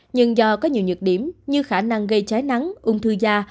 nhưng do có nhiều nhược điểm như khả năng gây cháy nắng ung thư da